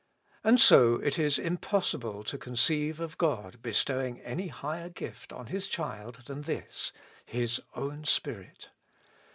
And so it is impossible to conceive of God bestowing any higher gift on His child than this, His own Spirit.